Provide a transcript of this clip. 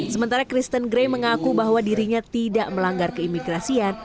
sementara kristen gray mengaku bahwa dirinya tidak melanggar keimigrasian